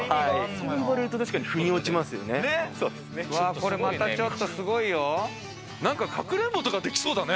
そう言われると腑に落ちますよね。